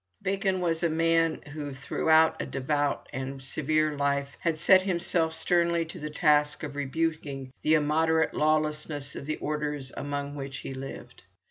Becon was a man who, throughout a devout and severe life, had set himself sternly to the task of rebuking the immoderate lawlessness of the orders among which he lived.